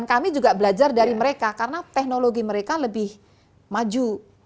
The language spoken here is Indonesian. kami juga belajar dari mereka karena teknologi mereka lebih maju